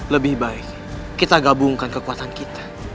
lebih baik kita gabungkan kekuatan kita